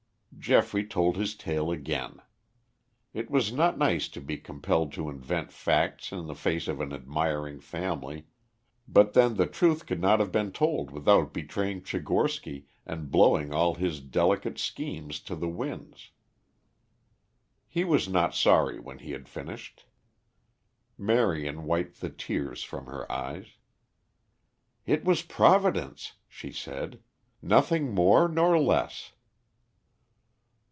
Geoffrey told his tale again. It was not nice to be compelled to invent facts in the face of an admiring family; but then the truth could not have been told without betraying Tchigorsky and blowing all his delicate schemes to the winds. He was not sorry when he had finished. Marion wiped the tears from her eyes. "It was Providence," she said. "Nothing more nor less."